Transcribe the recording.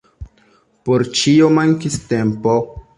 Por ĉio mankis tempo.